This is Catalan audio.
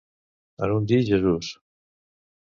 En un dir Jesús.